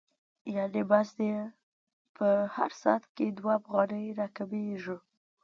یانې مزد یې په هر ساعت کې دوه افغانۍ را کمېږي